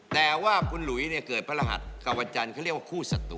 แต่ว่าคุณหลุยเนี่ยเกิดประหลาดกว่าจันทร์เขาเรียกว่าคู่สัตว์